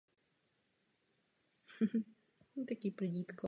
Zámek v současné době využívá obec jako sídlo městského úřadu.